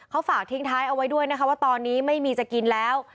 เขาฝากทิ้งท้ายเอาไว้ด้วยนะคะว่าตอนนี้ไม่มีจะกินแล้ว